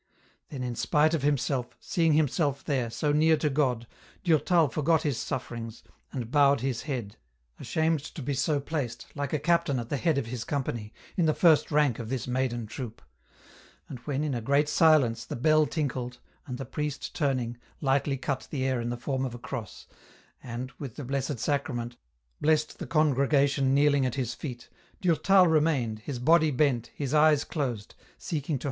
Then in spite of himself, seeing himself there, so near to God, Durtal forgot his sufferings, and bowed his head, ashamed to be so placed, like a captain at the head of his company, in the first rank of this maiden troop ; and when in a great silence, the bell tinkled, and the priest turning, lightly cut the air in the form of a cross, and, with the Blessed Sacrament, blessed the congregation kneeling at his feet, Durtal remained, his body bent, his eyes closed, seeking to £ 2 52 EN ROUTE.